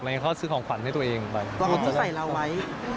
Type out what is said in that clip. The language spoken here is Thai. เขาก็ซื้อของขวัญให้ตัวเองไป